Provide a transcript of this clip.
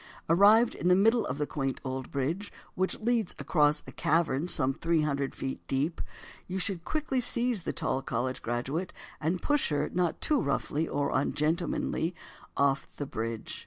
Arrived in the middle of the quaint old bridge, which leads across a cavern some three hundred feet deep, you should quickly seize the tall college graduate, and push her, not too roughly or ungentlemanly, off the bridge.